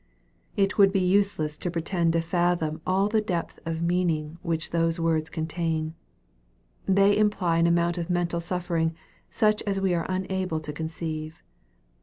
It would be useless to pretend to fathom all the depth of meaning which these words contain. They imply an amount of mental suffering, such as we are unable to conceive.